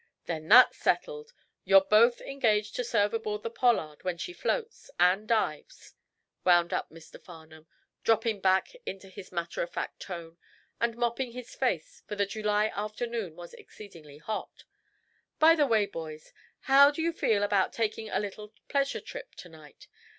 "Then that's settled. You're both engaged to serve aboard the 'Pollard' when she floats and dives," wound up Mr. Farnum, dropping back into his matter of fact tone, and mopping his face, for the July afternoon was exceedingly hot. "By the way, boys, how do you feel about taking a little pleasure trip to night?